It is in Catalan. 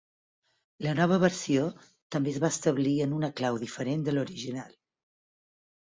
La nova versió també es va establir en una clau diferent de l'original.